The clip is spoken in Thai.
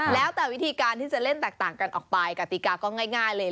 แล้วแต่วิธีการที่จะเล่นแตกต่างกันออกไปกติกาก็ง่ายเลย